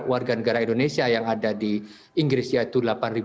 total warga negara indonesia yang ada di inggris yaitu delapan delapan ratus